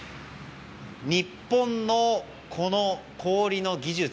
日本の氷の技術